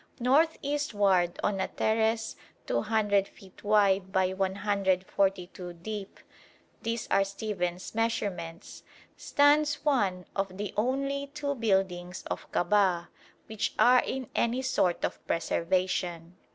North eastward on a terrace 200 feet wide by 142 deep (these are Stephens's measurements) stands one of the only two buildings of Kabah which are in any sort of preservation.